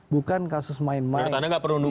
bukan hanya dihukum berat